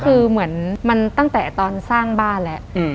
คือเหมือนมันตั้งแต่ตอนสร้างบ้านแล้ว